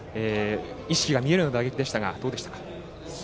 意識が見えるような打撃でしたがどうでしたか？